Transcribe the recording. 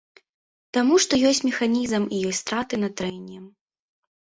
Таму што ёсць механізм і ёсць страты на трэнні.